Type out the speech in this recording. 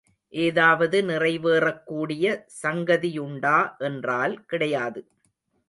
ஏதாவது நிறைவேறக்கூடிய சங்கதியுண்டா என்றால் கிடையாது.